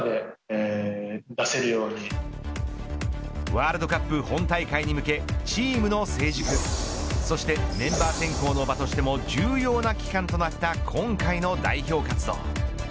ワールドカップ本大会に向けチームの成熟、そしてメンバー選考の場としても重要な期間となった今回の代表活動。